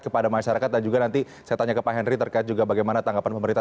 kepada masyarakat dan juga nanti saya tanya ke pak henry terkait juga bagaimana tanggapan pemerintah